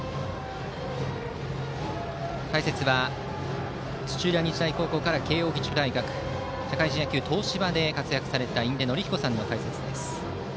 解説は土浦日大高校から慶応義塾大学社会人野球東芝で活躍された印出順彦さんの解説です。